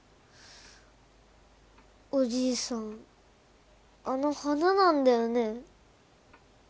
おじいさんあの花なんだよね？